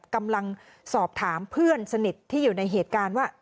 กำลังสอบถามเพื่อนสนิทที่อยู่ในเหตุการณ์ว่า